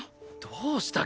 どうした？